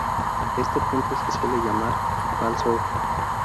Este punto se suele llamar "falso ojo".